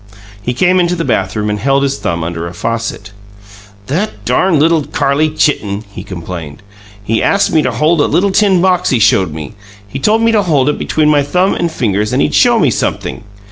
He came into the bathroom and held his thumb under a faucet. "That darn little Carlie Chitten!" he complained. "He ast me to hold a little tin box he showed me. He told me to hold it between my thumb and fingers and he'd show me sumpthing.